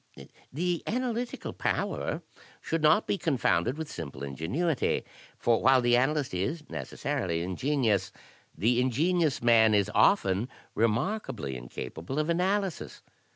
"The analytical power should not be confounded with simple ingenuity; for while the analyst is necessarily ingen ious, the ingenious man is often remarkably incapable of analysis.